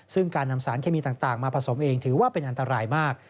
ซึ่งการนำสารเคมีต่างมาผสมเองถือว่าเป็นอันตรายมาก